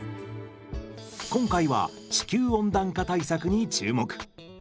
今回は地球温暖化対策に注目。